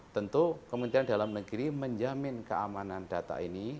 tentu kementerian dalam negeri menjamin keamanan data ini